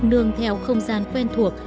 nương theo không gian quen thuộc